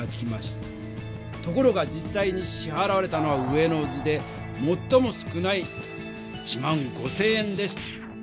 ところが実さいにしはらわれたのは上の図でもっとも少ない１５０００円でした。